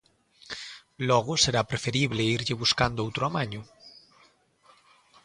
Logo será preferible irlle buscando outro amaño.